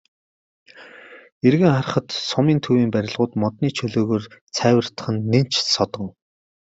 Эргэн харахад сумын төвийн барилгууд модны чөлөөгөөр цайвартах нь нэн ч содон.